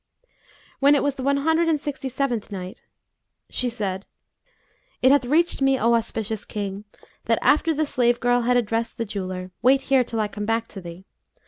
When it was the One Hundred and Sixty seventh Night, She said, It hath reached me, O auspicious King, that after the slave girl had addressed the jeweller, "'Wait here till I come back to thee!'